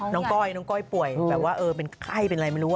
ก้อยน้องก้อยป่วยแบบว่าเป็นไข้เป็นอะไรไม่รู้